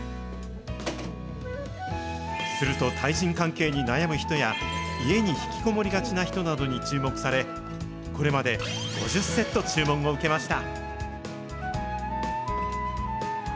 すると、対人関係に悩む人や、家に引きこもりがちな人などに注目され、これまで５０セット注文を受けました。